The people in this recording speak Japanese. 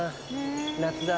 夏だ。